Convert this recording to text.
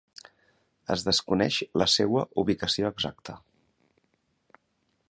Es desconeix la seua ubicació exacta.